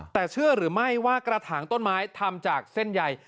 แต่เชื่อหรือไม่ว่ากระถางต้นไม้ทำจากเส้นใหญ่